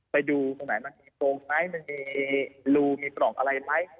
ไปดูตรงไหนมันมีโฟงไหมมันมีรูมีปล่องอะไรไหม